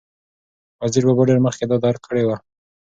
وزیر بابا ډېر مخکې دا درک کړې وه،